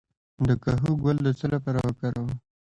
د کاهو ګل د څه لپاره وکاروم؟